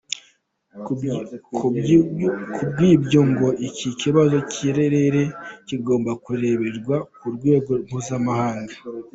Ku bw’ibyo ngo iki kibazo cy’ikirere kigomba kureberwa ku rwego mpuzamahanga.